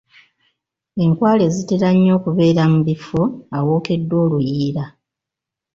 Enkwale zitera nnyo okubeera mu bifo awookeddwa oluyiira.